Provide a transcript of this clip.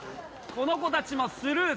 この子たちもスルー。